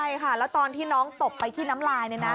ใช่ค่ะแล้วตอนที่น้องตบไปที่น้ำลาย